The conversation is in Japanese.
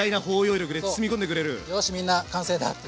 よしみんな完成だって。